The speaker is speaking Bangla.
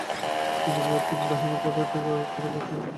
তিনি বাহিনী পরিত্যাগ করার বিবেচনা করেছিলেন।